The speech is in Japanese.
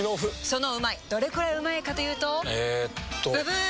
そのうまいどれくらいうまいかというとえっとブブー！